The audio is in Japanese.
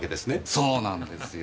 そうなんですよ。